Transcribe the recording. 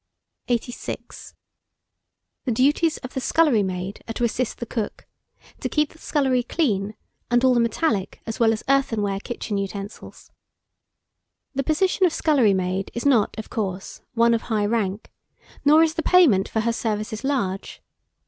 86. THE DUTIES OF THE SCULLERY MAID are to assist the cook; to keep the scullery clean, and all the metallic as well as earthenware kitchen utensils. The position of scullery maid is not, of course, one of high rank, nor is the payment for her services large.